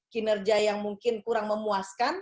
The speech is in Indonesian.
kinerja yang mungkin kurang memuaskan